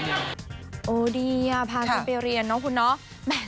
โอ้ดีอ่ะพากันไปเรียนเนาะคุณเนาะ